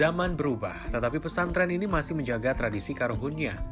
zaman berubah tetapi pesantren ini masih menjaga tradisi karuhunnya